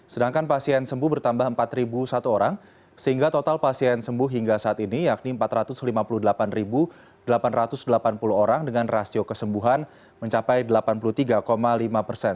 sedangkan pasien sembuh bertambah empat satu orang sehingga total pasien sembuh hingga saat ini yakni empat ratus lima puluh delapan delapan ratus delapan puluh orang dengan rasio kesembuhan mencapai delapan puluh tiga lima persen